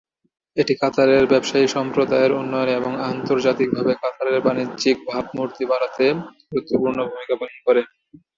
এটি কাতারের ব্যবসায়ী সম্প্রদায়ের উন্নয়নে এবং আন্তর্জাতিকভাবে কাতারের বাণিজ্যিক ভাবমূর্তি বাড়াতে গুরুত্বপূর্ণ ভূমিকা পালন করে।